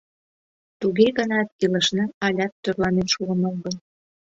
Туге гынат илышна алят тӧрланен шуын огыл.